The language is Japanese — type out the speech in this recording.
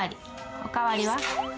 お代わりは？